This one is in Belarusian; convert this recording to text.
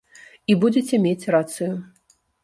І будзеце мець рацыю.